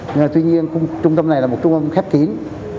nhưng mà tuy nhiên trung tâm này là một trung tâm khép kín